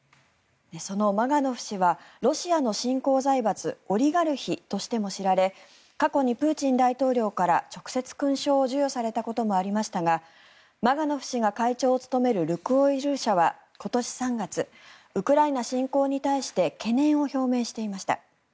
そのマガノフ氏はロシアの新興財閥オリガルヒとしても知られ過去にプーチン大統領から直接、勲章を授与されたこともありましたがマガノフ氏が会長を務めるルクオイル社は今年３月ウクライナ侵攻に対して懸念を表明していました。